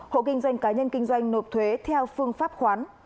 hộ kinh doanh cá nhân kinh doanh nộp thuế theo phương pháp khoán